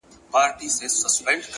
د سکون سرچینه رښتیني درک دی،